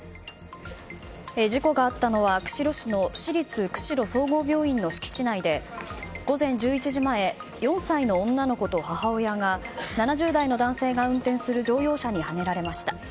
事故があったのは釧路市の市立釧路総合病院の敷地内で午前１１時前４歳の女の子と母親が７０代の男性が運転する乗用車にはねられました。